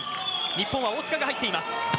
日本は大塚が入っています。